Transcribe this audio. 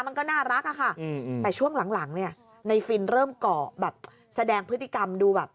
มันก็น่ารักอะค่ะแต่ช่วงหลังเนี่ยในฟินเริ่มเกาะแบบแสดงพฤติกรรมดูแบบ